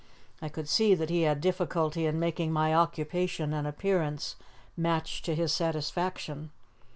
I could see that he had difficulty in making my occupation and appearance match to his satisfaction.